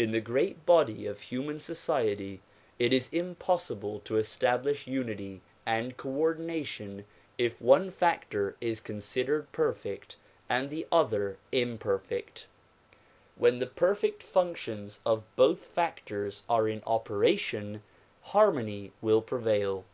In the great body of human society it is impossible to establish unity and co ordination if one factor is considered perfect and the other imperfect. AVhen the perfect functions of both factors are in operation harmony will prevail.